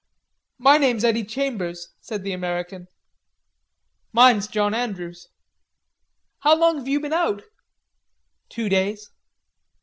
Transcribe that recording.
"My name's Eddy Chambers," said the American. "Mine's John Andrews." "How long've you been out?" "Two days."